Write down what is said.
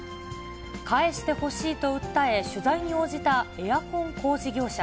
返してほしいと訴え、取材に応じたエアコン工事業者。